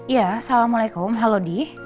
iya assalamualaikum halo di